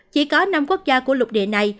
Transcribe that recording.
chỉ có năm quốc gia của lục địa này